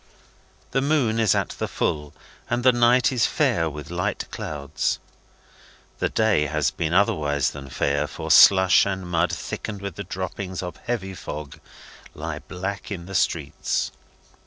The moon is at the full, and the night is fair with light clouds. The day has been otherwise than fair, for slush and mud, thickened with the droppings of heavy fog, lie black in the streets.